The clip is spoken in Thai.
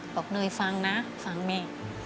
บอกหน่วยฟังนะฟังแม่